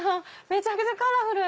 めちゃくちゃカラフル！